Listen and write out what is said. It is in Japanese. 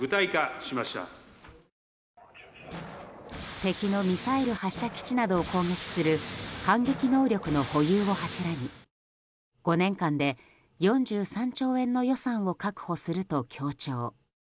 敵のミサイル発射基地などを攻撃する反撃能力の保有を柱に５年間で４３兆円の予算を確保すると強調。